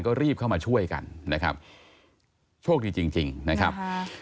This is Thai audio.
ก็รีบเข้ามาช่วยกันนะครับโชคดีจริงจริงนะครับค่ะ